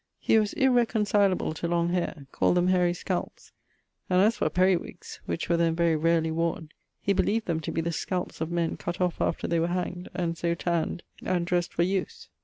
He was irreconcileable to long haire; called them hairy scalpes, and as for periwigges (which were then very rarely worne) he beleeved them to be the scalpes of men cutt off after they were hang'd, and so tanned and dressed for use.